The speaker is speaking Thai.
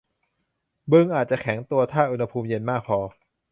บึงอาจจะแข็งตัวถ้าอุณหภูมิเย็นมากพอ